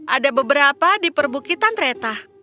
ada beberapa di perbukitan kereta